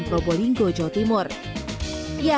pakai k economistnya